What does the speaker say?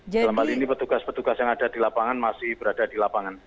dalam hal ini petugas petugas yang ada di lapangan masih berada di lapangan